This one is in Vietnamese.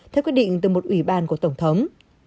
theo quyết định từ một ủy ban của tổng thống